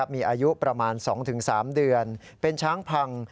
มีอายุประมาณ๒๓เดือนเป็นช้างพัง